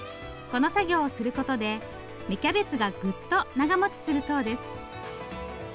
この作業をすることで芽キャベツがぐっと長もちするそうです。